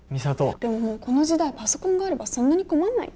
でももうこの時代パソコンがあればそんなに困んないか。